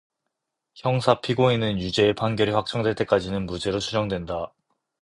형사피고인은 유죄의 판결이 확정될 때까지는 무죄로 추정된다.